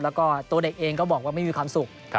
แล้วก็ตัวเด็กเองก็บอกว่าไม่มีความสุข